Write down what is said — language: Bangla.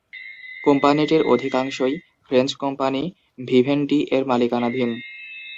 কোম্পানিটির অধিকাংশই ফ্রেঞ্চ কোম্পানি ভিভেনডি-এর মালিকানাধীন।